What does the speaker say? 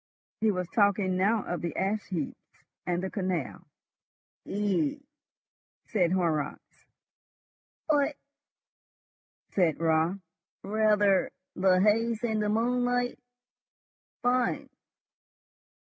He was talking now of the ash heaps and the canal. "Eigh?" said Horrocks. "What?" said Raut. "Rather! The haze in the moonlight. Fine!"